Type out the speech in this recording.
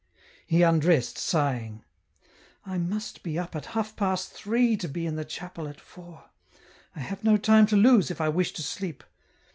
He undressed, sighing :" I must be up at half past three to be in the chapel at four : I have no time to lose if I wish to sleep.